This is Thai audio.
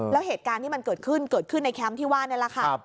แล้วเหตุการณ์ที่มันเกิดขึ้นเกิดขึ้นในแคมป์ที่ว่านี่แหละค่ะ